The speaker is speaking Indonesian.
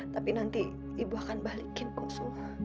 tapi nanti ibu akan balikin poso